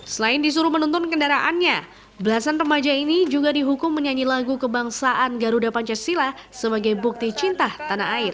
selain disuruh menuntun kendaraannya belasan remaja ini juga dihukum menyanyi lagu kebangsaan garuda pancasila sebagai bukti cinta tanah air